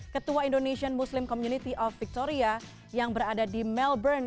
ketua indonesian muslim community of victoria yang berada di melbourne